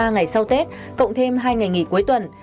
ba ngày sau tết cộng thêm hai ngày nghỉ cuối tuần